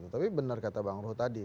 tapi benar kata bang ruhut tadi